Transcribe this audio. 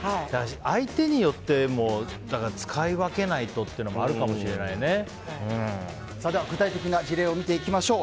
相手によっても使い分けないとっていうのはでは、具体的な事例を見ていきましょう。